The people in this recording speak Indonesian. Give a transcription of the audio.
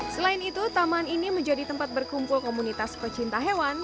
selain itu taman ini menjadi tempat berkumpul komunitas pecinta hewan